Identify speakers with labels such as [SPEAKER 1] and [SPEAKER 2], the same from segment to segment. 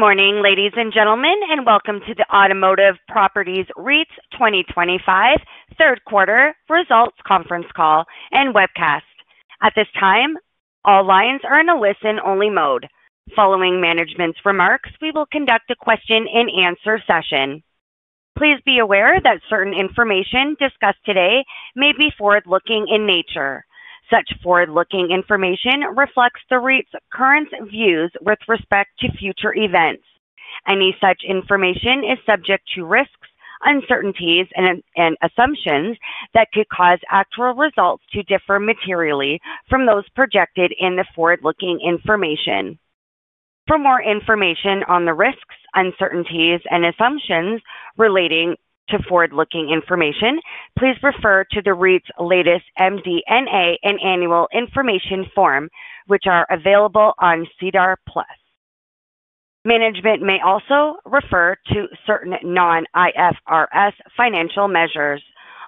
[SPEAKER 1] Good morning, ladies and gentlemen, and welcome to the Automotive Properties REIT's 2025 Third Quarter Results Conference Call and Webcast. At this time, all lines are in a listen-only mode. Following management's remarks, we will conduct a question-and-answer session. Please be aware that certain information discussed today may be forward-looking in nature. Such forward-looking information reflects the REIT's current views with respect to future events. Any such information is subject to risks, uncertainties, and assumptions that could cause actual results to differ materially from those projected in the forward-looking information. For more information on the risks, uncertainties, and assumptions relating to forward-looking information, please refer to the REIT's latest MD&A and Annual Information Form, which are available on SEDAR+. Management may also refer to certain non-IFRS financial measures.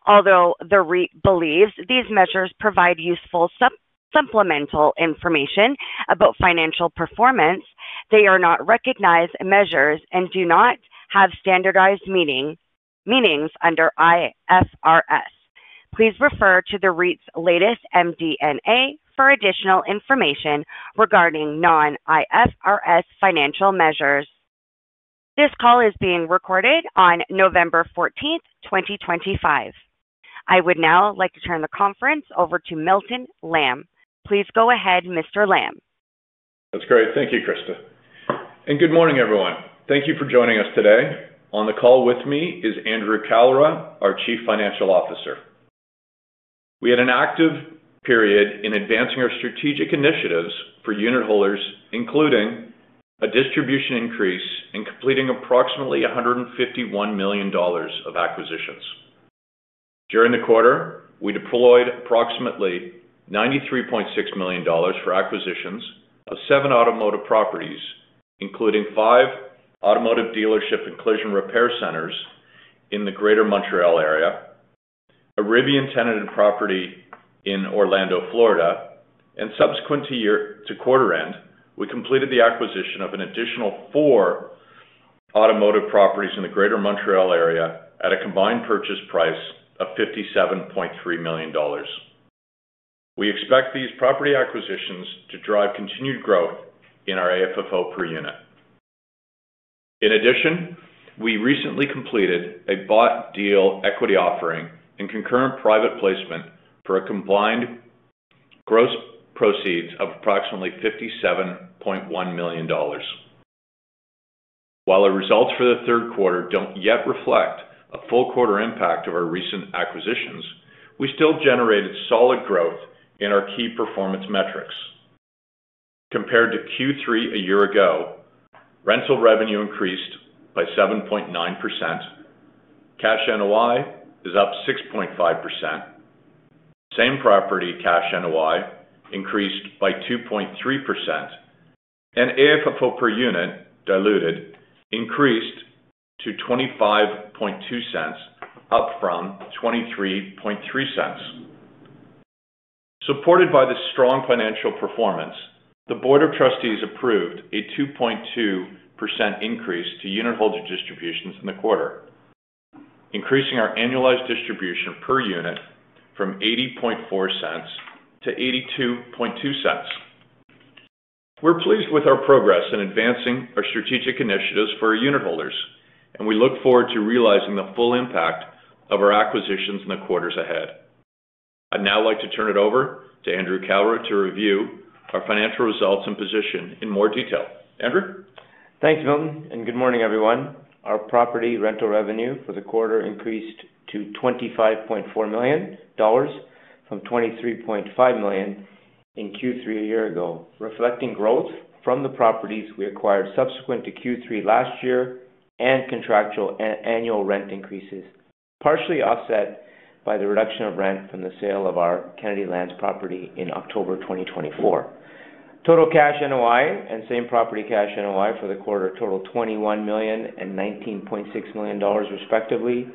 [SPEAKER 1] Although the REIT believes these measures provide useful supplemental information about financial performance, they are not recognized measures and do not have standardized meanings under IFRS. Please refer to the REIT's latest MD&A for additional information regarding non-IFRS financial measures. This call is being recorded on November 14th, 2025. I would now like to turn the conference over to Milton Lamb. Please go ahead, Mr. Lamb.
[SPEAKER 2] That's great. Thank you, Krista. Good morning, everyone. Thank you for joining us today. On the call with me is Andrew Kalra, our Chief Financial Officer. We had an active period in advancing our strategic initiatives for unitholders, including a distribution increase and completing approximately $151 million of acquisitions. During the quarter, we deployed approximately $93.6 million for acquisitions of seven automotive properties, including five automotive dealership and collision repair centers in the Greater Montreal area, a Rivian-tenanted property in Orlando, Florida. Subsequent to quarter end, we completed the acquisition of an additional four automotive properties in the Greater Montreal area at a combined purchase price of $57.3 million. We expect these property acquisitions to drive continued growth in our AFFO per Unit. In addition, we recently completed a bought deal equity offering and concurrent private placement for a combined gross proceeds of approximately $57.1 million. While our results for the third quarter do not yet reflect a full quarter impact of our recent acquisitions, we still generated solid growth in our key performance metrics. Compared to Q3 a year ago, rental revenue increased by 7.9%. Cash NOI is up 6.5%. Same-property Cash NOI increased by 2.3%. AFFO per Unit, diluted, increased to $0.25.2, up from $0.23.3. Supported by the strong financial performance, the Board of Trustees approved a 2.2% increase to unitholder distributions in the quarter, increasing our annualized distribution per unit from $0.80.4 to $0.82.2. We are pleased with our progress in advancing our strategic initiatives for our unitholders, and we look forward to realizing the full impact of our acquisitions in the quarters ahead. I would now like to turn it over to Andrew Kalra to review our financial results and position in more detail. Andrew?
[SPEAKER 3] Thanks, Milton. Good morning, everyone. Our property rental revenue for the quarter increased to $25.4 million from $23.5 million in Q3 a year ago, reflecting growth from the properties we acquired subsequent to Q3 last year and contractual and annual rent increases, partially offset by the reduction of rent from the sale of our Kennedy Lands property in October 2024. Total Cash NOI and same-property Cash NOI for the quarter totaled $21 million and $19.6 million, respectively,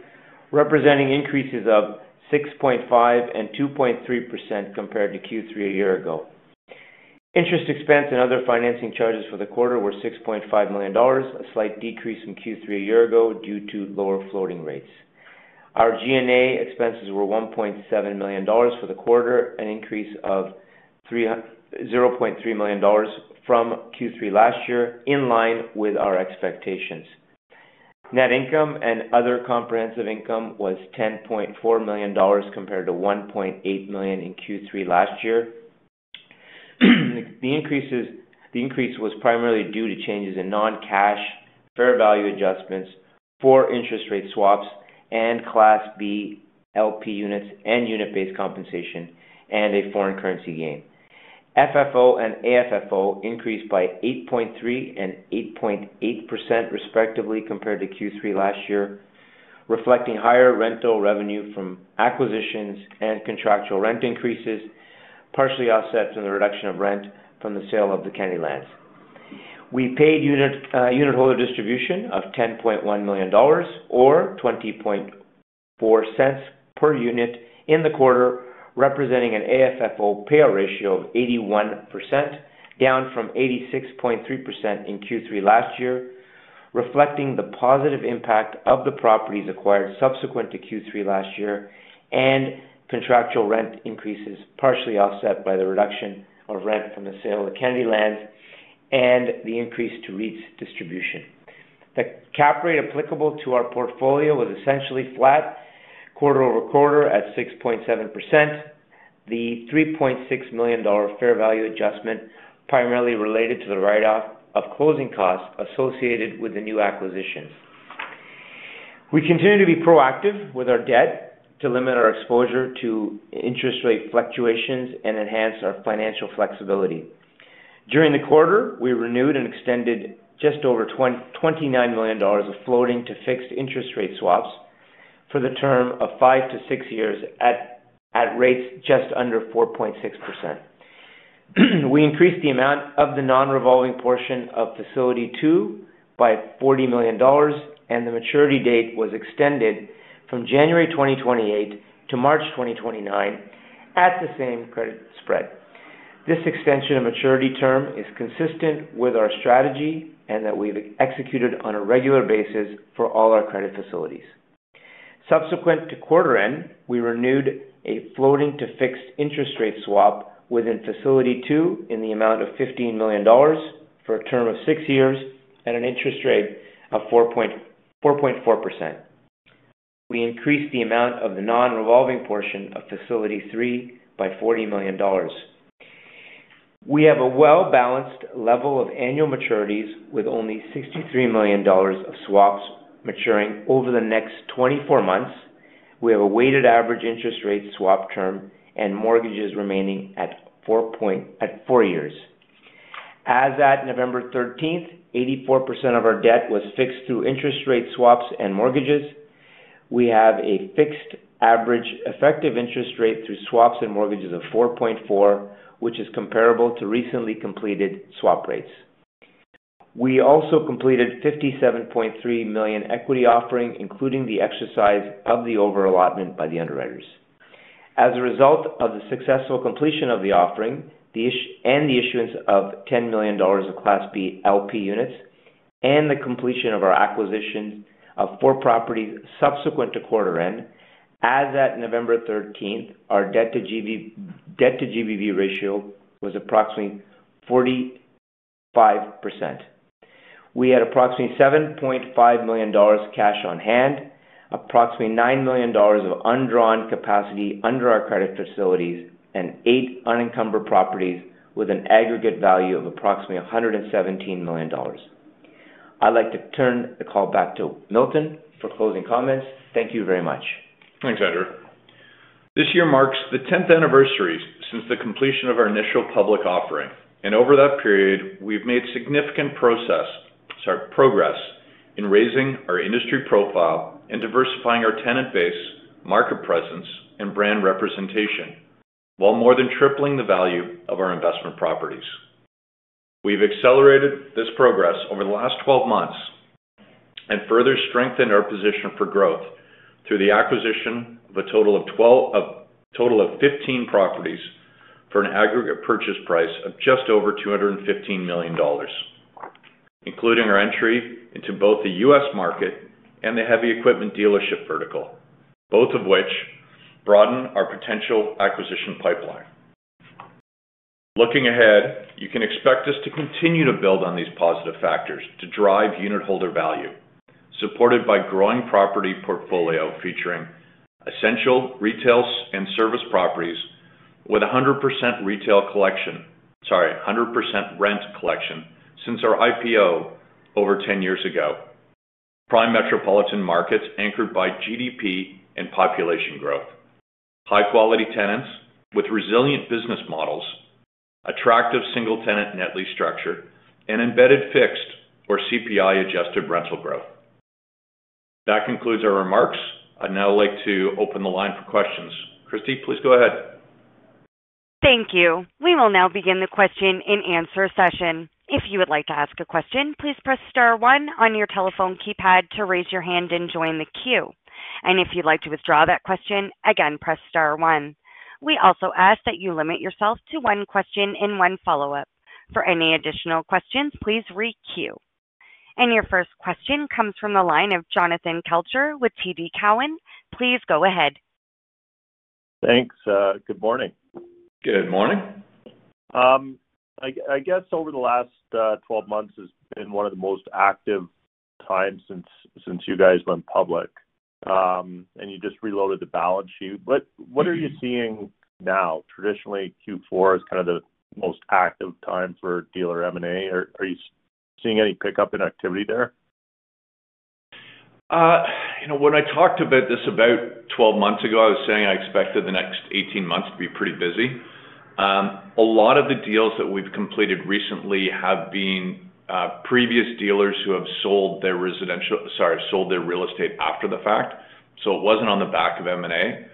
[SPEAKER 3] representing increases of 6.5% and 2.3% compared to Q3 a year ago. Interest expense and other financing charges for the quarter were $6.5 million, a slight decrease from Q3 a year ago due to lower floating rates. Our G&A expenses were $1.7 million for the quarter, an increase of $0.3 million from Q3 last year, in line with our expectations. Net income and other comprehensive income was $10.4 million compared to $1.8 million in Q3 last year. The increase was primarily due to changes in non-cash fair value adjustments, four interest rate swaps, and Class B LP Units and unit-based compensation, and a foreign currency gain. FFO and AFFO increased by 8.3% and 8.8%, respectively, compared to Q3 last year, reflecting higher rental revenue from acquisitions and contractual rent increases, partially offset from the reduction of rent from the sale of the Kennedy Lands. We paid unitholder distributions of $10.1 million or $0.20.4 per unit in the quarter, representing an AFFO payout ratio of 81%, down from 86.3% in Q3 last year, reflecting the positive impact of the properties acquired subsequent to Q3 last year and contractual rent increases, partially offset by the reduction of rent from the sale of the Kennedy Lands and the increase to REIT's distribution. The cap rate applicable to our portfolio was essentially flat quarter-over-quarter at 6.7%. The $3.6 million fair value adjustment primarily related to the write-off of closing costs associated with the new acquisitions. We continue to be proactive with our debt to limit our exposure to interest rate fluctuations and enhance our financial flexibility. During the quarter, we renewed and extended just over $29 million of floating-to-fixed interest rate swaps for the term of five to six years at rates just under 4.6%. We increased the amount of the non-revolving portion of Facility 2 by $40 million, and the maturity date was extended from January 2028 to March 2029 at the same credit spread. This extension of maturity term is consistent with our strategy and that we've executed on a regular basis for all our credit facilities. Subsequent to quarter end, we renewed a floating-to-fixed interest rate swap within Facility 2 in the amount of $15 million for a term of six years at an interest rate of 4.4%. We increased the amount of the non-revolving portion of Facility 3 by $40 million. We have a well-balanced level of annual maturities with only $63 million of swaps maturing over the next 24 months. We have a weighted average interest rate swap term and mortgages remaining at four years. As at November 13th, 84% of our debt was fixed through interest rate swaps and mortgages. We have a fixed average effective interest rate through swaps and mortgages of 4.4%, which is comparable to recently completed swap rates. We also completed a $57.3 million equity offering, including the exercise of the overallotment by the underwriters. As a result of the successful completion of the offering and the issuance of $10 million of Class B LP Units and the completion of our acquisitions of four properties subsequent to quarter end, as at November 13th, our debt-to-GBV ratio was approximately 45%. We had approximately $7.5 million cash on hand, approximately $9 million of undrawn capacity under our credit facilities, and eight unencumbered properties with an aggregate value of approximately $117 million. I'd like to turn the call back to Milton for closing comments. Thank you very much.
[SPEAKER 2] Thanks, Andrew. This year marks the 10th anniversary since the completion of our initial public offering. Over that period, we've made significant progress in raising our industry profile and diversifying our tenant base, market presence, and brand representation, while more than tripling the value of our investment properties. We've accelerated this progress over the last 12 months and further strengthened our position for growth through the acquisition of a total of 15 properties for an aggregate purchase price of just over $215 million, including our entry into both the U.S. market and the heavy equipment dealership vertical, both of which broaden our potential acquisition pipeline. Looking ahead, you can expect us to continue to build on these positive factors to drive unitholder value, supported by a growing property portfolio featuring essential retail and service properties with 100% rent collection since our IPO over 10 years ago. Prime metropolitan markets anchored by GDP and population growth, high-quality tenants with resilient business models, attractive single-tenant net lease structure, and embedded fixed or CPI-adjusted rental growth. That concludes our remarks. I'd now like to open the line for questions. Krista, please go ahead.
[SPEAKER 1] Thank you. We will now begin the question-and-answer session. If you would like to ask a question, please press star one on your telephone keypad to raise your hand and join the queue. If you'd like to withdraw that question, again, press star one. We also ask that you limit yourself to one question and one follow-up. For any additional questions, please re-queue. Your first question comes from the line of Jonathan Kelcher with TD Cowen. Please go ahead.
[SPEAKER 4] Thanks. Good morning.
[SPEAKER 2] Good morning.
[SPEAKER 4] I guess over the last 12 months has been one of the most active times since you guys went public, and you just reloaded the balance sheet. What are you seeing now? Traditionally, Q4 is kind of the most active time for dealer M&A. Are you seeing any pickup in activity there?
[SPEAKER 2] When I talked about this about 12 months ago, I was saying I expected the next 18 months to be pretty busy. A lot of the deals that we've completed recently have been previous dealers who have sold their real estate after the fact. So it wasn't on the back of M&A.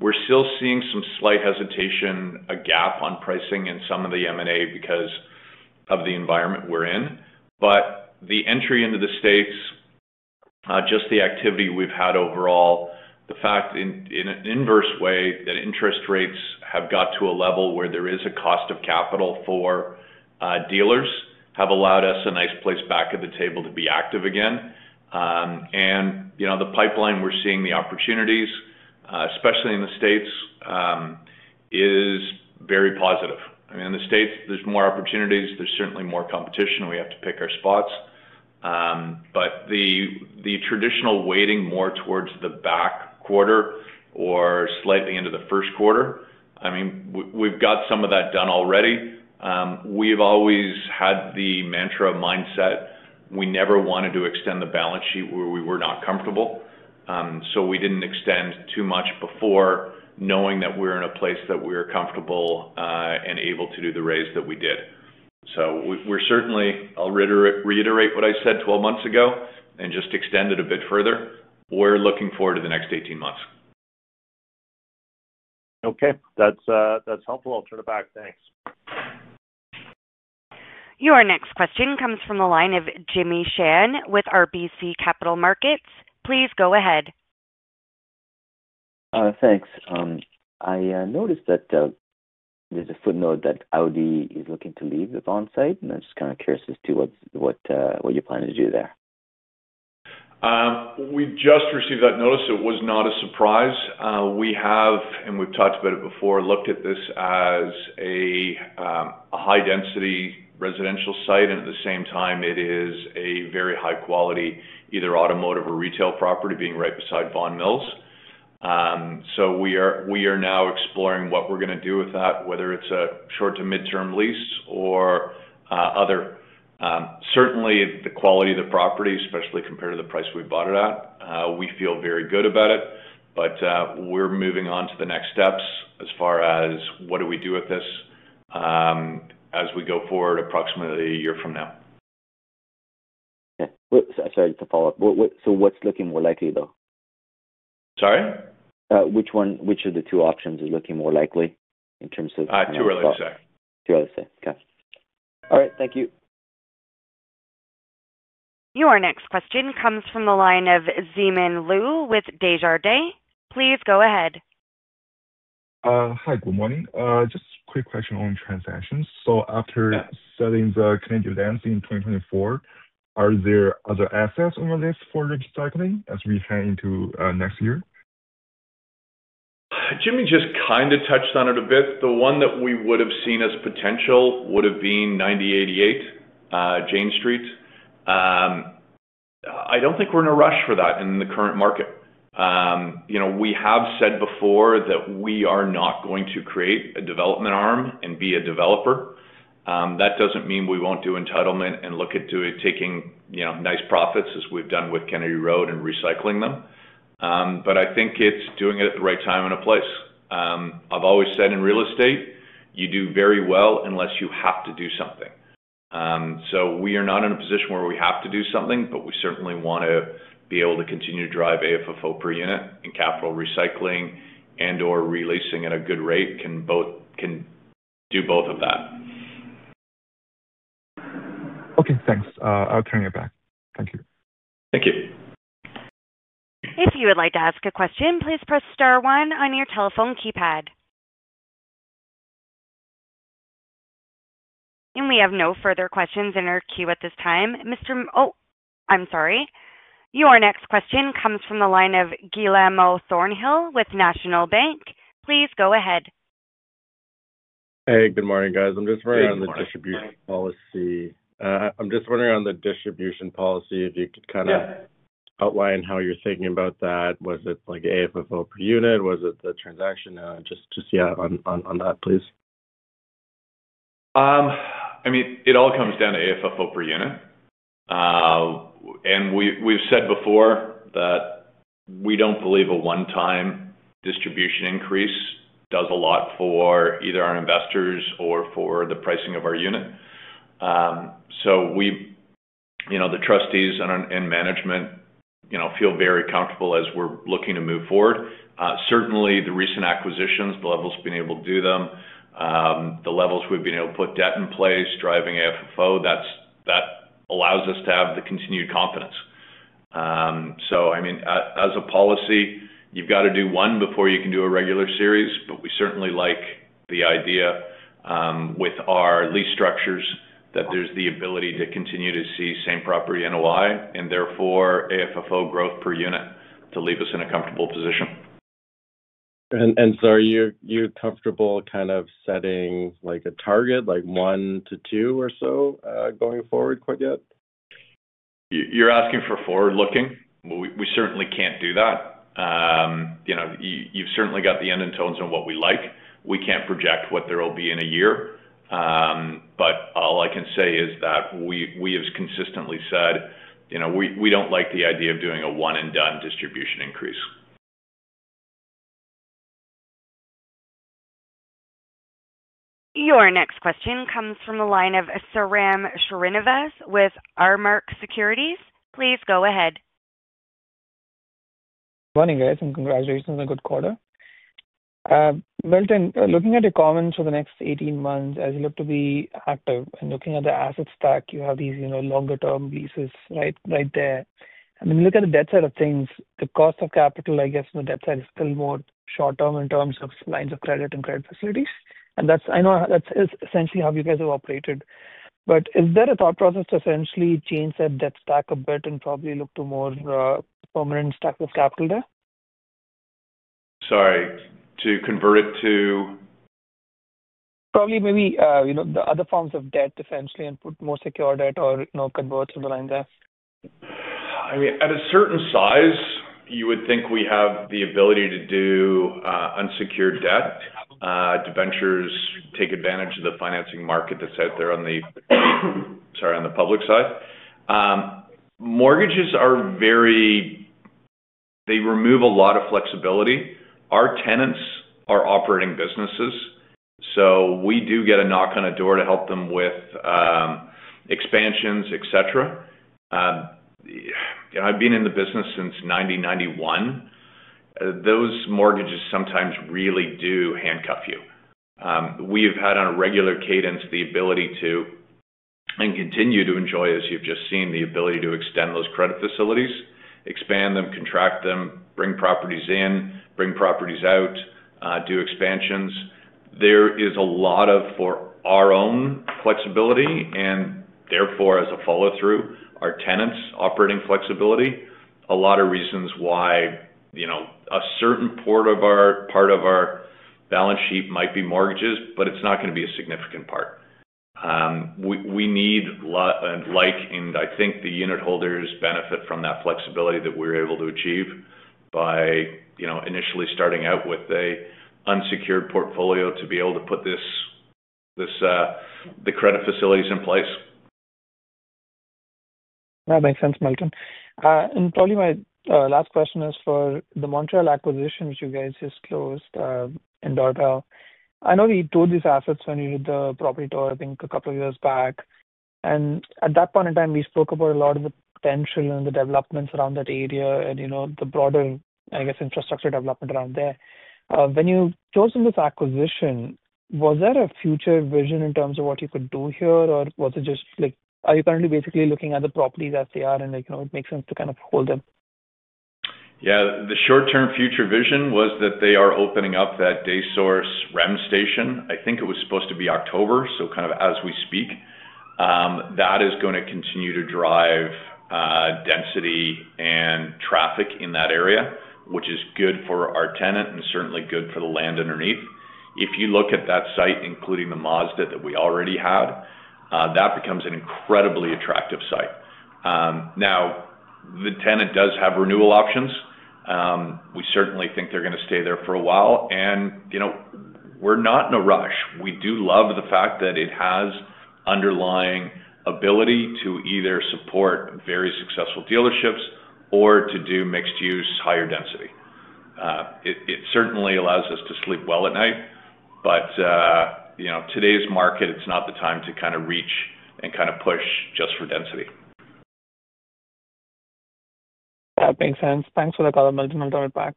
[SPEAKER 2] We're still seeing some slight hesitation, a gap on pricing in some of the M&A because of the environment we're in. The entry into the states, just the activity we've had overall, the fact in an inverse way that interest rates have got to a level where there is a cost of capital for dealers have allowed us a nice place back at the table to be active again. The pipeline we're seeing, the opportunities, especially in the states, is very positive. I mean, in the states, there's more opportunities. There's certainly more competition. We have to pick our spots. The traditional waiting more towards the back quarter or slightly into the first quarter, I mean, we have got some of that done already. We have always had the mantra mindset. We never wanted to extend the balance sheet where we were not comfortable. We did not extend too much before knowing that we are in a place that we are comfortable and able to do the raise that we did. I will reiterate what I said 12 months ago and just extend it a bit further. We are looking forward to the next 18 months.
[SPEAKER 4] Okay. That's helpful. I'll turn it back. Thanks.
[SPEAKER 1] Your next question comes from the line of Jimmy Shan with RBC Capital Markets. Please go ahead.
[SPEAKER 5] Thanks. I noticed that there's a footnote that Audi is looking to leave the Vaughan site. And I'm just kind of curious as to what you're planning to do there?
[SPEAKER 2] We just received that notice. It was not a surprise. We have, and we've talked about it before, looked at this as a high-density residential site. At the same time, it is a very high-quality either automotive or retail property being right beside Vaughan Mills. We are now exploring what we're going to do with that, whether it's a short to mid-term lease or other. Certainly, the quality of the property, especially compared to the price we bought it at, we feel very good about it. We are moving on to the next steps as far as what do we do with this as we go forward approximately a year from now.
[SPEAKER 5] Okay. Sorry, just a follow-up. What's looking more likely, though?
[SPEAKER 2] Sorry?
[SPEAKER 5] Which of the two options is looking more likely in terms of?
[SPEAKER 2] Too early to say.
[SPEAKER 5] Too early to say. Okay. All right. Thank you.
[SPEAKER 1] Your next question comes from the line of Zeman Lu with Desjardins. Please go ahead. Hi, good morning. Just a quick question on transactions. After selling the Kennedy Lands in 2024, are there other assets on the list for recycling as we head into next year?
[SPEAKER 2] Jimmy just kind of touched on it a bit. The one that we would have seen as potential would have been 9088 Jane Street. I do not think we are in a rush for that in the current market. We have said before that we are not going to create a development arm and be a developer. That does not mean we will not do entitlement and look into it taking nice profits as we have done with Kennedy Road and recycling them. I think it is doing it at the right time and a place. I have always said in real estate, you do very well unless you have to do something. We are not in a position where we have to do something, but we certainly want to be able to continue to drive AFFO per Unit and capital recycling and/or releasing at a good rate can do both of that. Okay. Thanks. I'll turn it back. Thank you. Thank you.
[SPEAKER 1] If you would like to ask a question, please press star one on your telephone keypad. We have no further questions in our queue at this time. Mr., Oh, I'm sorry. Your next question comes from the line of Giuliano Thornhill with National Bank. Please go ahead.
[SPEAKER 6] Hey, good morning, guys. I'm just wondering on the distribution policy. I'm just wondering on the distribution policy if you could kind of outline how you're thinking about that. Was it AFFO per Unit? Was it the transaction? Just yeah, on that, please.
[SPEAKER 2] I mean, it all comes down to AFFO per Unit. And we've said before that we don't believe a one-time distribution increase does a lot for either our investors or for the pricing of our unit. So the trustees and management feel very comfortable as we're looking to move forward. Certainly, the recent acquisitions, the levels we've been able to do them, the levels we've been able to put debt in place, driving AFFO, that allows us to have the continued confidence. I mean, as a policy, you've got to do one before you can do a regular series, but we certainly like the idea with our lease structures that there's the ability to continue to see same-property NOI and therefore AFFO growth per Unit to leave us in a comfortable position.
[SPEAKER 6] Are you comfortable kind of setting a target like one to two or so going forward quite yet?
[SPEAKER 2] You're asking for forward-looking. We certainly can't do that. You've certainly got the end and tones on what we like. We can't project what there will be in a year. All I can say is that we have consistently said we don't like the idea of doing a one-and-done distribution increase.
[SPEAKER 1] Your next question comes from the line of Sairam Srinivas with Cormark Securities. Please go ahead.
[SPEAKER 7] Good morning, guys, and congratulations on a good quarter. Milton, looking at your comments for the next 18 months as you look to be active and looking at the asset stack, you have these longer-term leases right there. When you look at the debt side of things, the cost of capital, I guess, on the debt side is still more short-term in terms of lines of credit and credit facilities. I know that's essentially how you guys have operated. Is there a thought process to essentially change that debt stack a bit and probably look to more permanent stacks of capital there?
[SPEAKER 2] Sorry. To convert it to?
[SPEAKER 7] Probably maybe the other forms of debt essentially and put more secure debt or converts on the line there.
[SPEAKER 2] I mean, at a certain size, you would think we have the ability to do unsecured debt to ventures, take advantage of the financing market that's out there on the, sorry, on the public side. Mortgages are very, they remove a lot of flexibility. Our tenants are operating businesses. So we do get a knock on a door to help them with expansions, etc. I've been in the business since 1991. Those mortgages sometimes really do handcuff you. We have had on a regular cadence the ability to and continue to enjoy, as you've just seen, the ability to extend those credit facilities, expand them, contract them, bring properties in, bring properties out, do expansions. There is a lot of, for our own flexibility and therefore as a follow-through, our tenants' operating flexibility, a lot of reasons why a certain part of our balance sheet might be mortgages, but it's not going to be a significant part. We need and like, and I think the unitholders benefit from that flexibility that we're able to achieve by initially starting out with an unsecured portfolio to be able to put the credit facilities in place.
[SPEAKER 7] That makes sense, Milton. Probably my last question is for the Montreal acquisition, which you guys just closed in Dorval. I know we toured these assets when you did the property tour, I think, a couple of years back. At that point in time, we spoke about a lot of the potential and the developments around that area and the broader, I guess, infrastructure development around there. When you chose this acquisition, was there a future vision in terms of what you could do here, or was it just like are you currently basically looking at the properties as they are, and it makes sense to kind of hold them?
[SPEAKER 2] Yeah. The short-term future vision was that they are opening up that des Sources REM station. I think it was supposed to be October, so kind of as we speak. That is going to continue to drive density and traffic in that area, which is good for our tenant and certainly good for the land underneath. If you look at that site, including the Mazda that we already had, that becomes an incredibly attractive site. Now, the tenant does have renewal options. We certainly think they're going to stay there for a while. We are not in a rush. We do love the fact that it has underlying ability to either support very successful dealerships or to do mixed-use higher density. It certainly allows us to sleep well at night. In today's market, it's not the time to kind of reach and kind of push just for density.
[SPEAKER 7] That makes sense. Thanks for the call, Milton. I'll turn it back.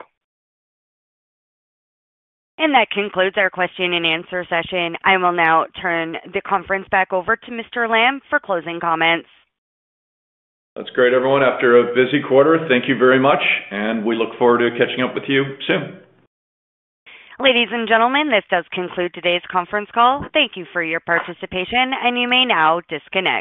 [SPEAKER 1] That concludes our question-and-answer session. I will now turn the conference back over to Mr. Lamb for closing comments.
[SPEAKER 2] That's great, everyone. After a busy quarter, thank you very much. We look forward to catching up with you soon.
[SPEAKER 1] Ladies and gentlemen, this does conclude today's conference call. Thank you for your participation, and you may now disconnect.